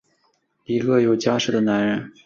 一个有家室的男人！